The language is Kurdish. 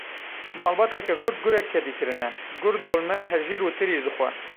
Malbateke Kurd gurek kedî kirine; Gur dolme, hejîr û tirî dixwe.